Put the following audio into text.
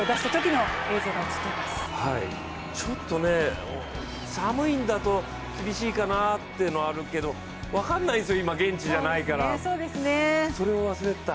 ちょっと、寒いんだと厳しいかなというのはありますけど、分からないんですよ、今現地じゃないから、それを忘れてた。